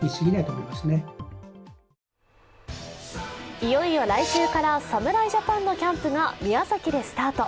いよいよ来週から侍ジャパンのキャンプが宮崎でスタート。